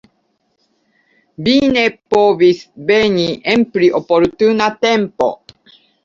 Vi ne povis veni en pli oportuna tempo.